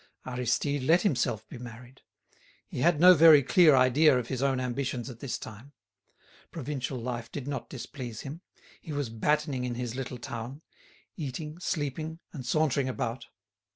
Aristide let himself be married. He had no very clear idea of his own ambitions at this time; provincial life did not displease him; he was battening in his little town—eating, sleeping, and sauntering about.